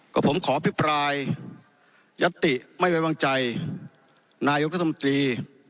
กรบผมขอพิพลายยัตติไม่ไว้วางใจนายกธรรมจี